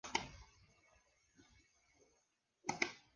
En general, la canción recibió críticas mixtas tirando a favorables.